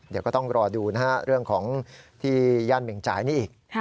เดี๋ยวก็ต้องรอดูนะฮะเรื่องของที่ย่านเหม่งจ่ายนี่อีก